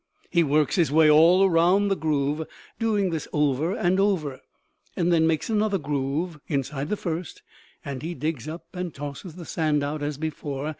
He works his way all around the groove, doing this over and over, and then makes another groove inside the first, and digs up and tosses the sand out as before.